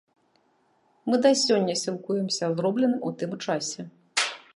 Мы да сёння сілкуемся зробленым у тым часе.